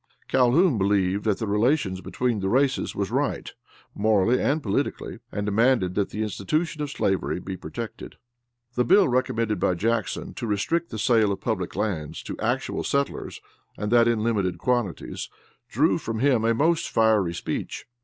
Calhoun, believed that the relations between the races was right, morally and politically, and demanded that the institution of slavery be protected. The bill recommended by Jackson, to restrict the sale of public lands to actual settlers and that in limited quantities, drew from him a most fiery speech.